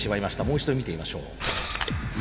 もう一度見てみましょう。